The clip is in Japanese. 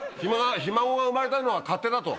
ひ孫が生まれたのは勝手だと。